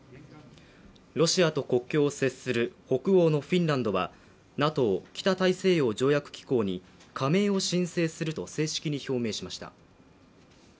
ロシアと国境を接する北欧のフィンランドはＮＡＴＯ＝北大西洋条約機構に加盟を申請すると正式に表明しました。